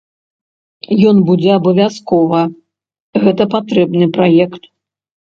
Ён будзе абавязкова, гэта патрэбны праект.